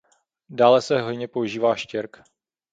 Dále se hojně používá štěrk.